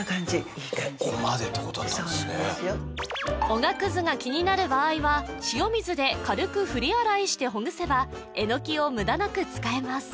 おがくずが気になる場合は塩水で軽く振り洗いしてほぐせばえのきをムダなく使えます